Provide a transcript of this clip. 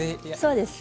そうです。